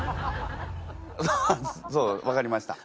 あそう分かりました。